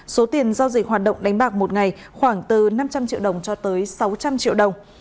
số tiền giao dịch hoạt động đánh bạc một ngày khoảng từ năm trăm linh triệu đồng cho tới sáu trăm linh triệu đồng